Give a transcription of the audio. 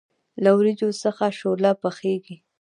له وریجو څخه شوله پخیږي.